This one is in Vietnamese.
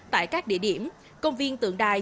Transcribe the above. tại các địa điểm công viên tượng đài